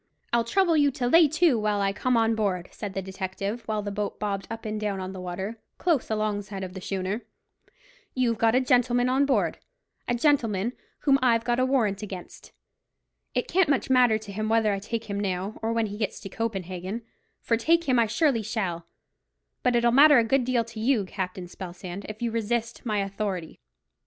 "I'll trouble you to lay to while I come on board," said the detective, while the boat bobbed up and down on the water, close alongside of the schooner. "You've got a gentleman on board—a gentleman whom I've got a warrant against. It can't much matter to him whether I take him now, or when he gets to Copenhagen; for take him I surely shall; but it'll matter a good deal to you, Captain Spelsand, if you resist my authority."